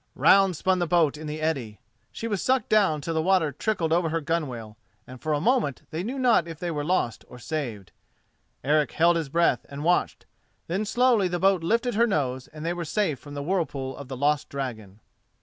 Round spun the boat in the eddy, she was sucked down till the water trickled over her gunwale, and for a moment they knew not if they were lost or saved. Eric held his breath and watched, then slowly the boat lifted her nose, and they were safe from the whirlpool of the lost dragon.